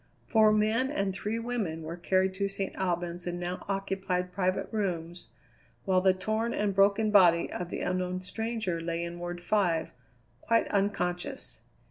Four men and three women were carried to St. Albans and now occupied private rooms, while the torn and broken body of the unknown stranger lay in Ward Five, quite unconscious.